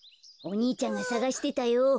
お兄ちゃんがさがしてたよ。